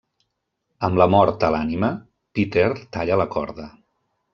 Amb la mort a l'ànima, Peter talla la corda.